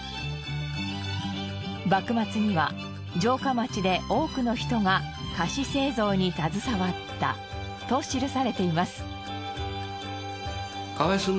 「幕末には城下町で多くの人が菓子製造に携わった」と記されています。